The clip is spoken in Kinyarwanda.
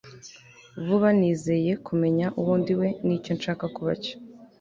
vuba, nizeye kumenya uwo ndiwe n'icyo nshaka kuba cyo